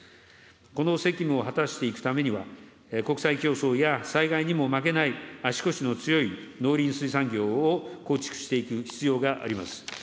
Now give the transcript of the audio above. この責務を果たしていくためには、国際競争や災害にも負けない足腰の強い農林水産業を構築していく必要があります。